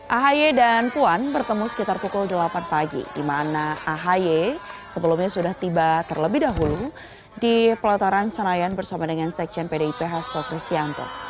ahy dan puan bertemu sekitar pukul delapan pagi di mana ahy sebelumnya sudah tiba terlebih dahulu di pelataran senayan bersama dengan sekjen pdip hasto kristianto